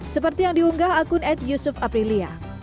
seperti yang diunggah akun ad yusuf aprilia